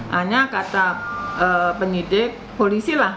hanya kata penyidik polisi lah